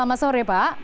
selamat sore ya